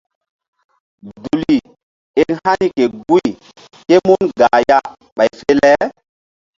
Duli eŋ hani ke guy ké mun gah ya ɓay fe le.